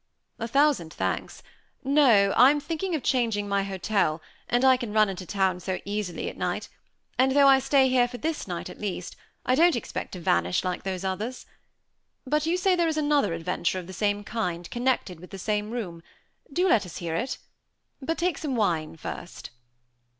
"A thousand thanks! no. I'm thinking of changing my hotel; and I can run into town so easily at night; and though I stay here for this night at least, I don't expect to vanish like those others. But you say there is another adventure, of the same kind, connected with the same room. Do let us hear it. But take some wine first."